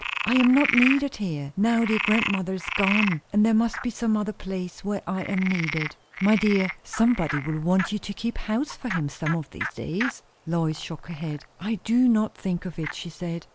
I am not needed here, now dear grandmother is gone; and there must be some other place where I am needed." "My dear, somebody will want you to keep house for him, some of these days." Lois shook her head. "I do not think of it," she said.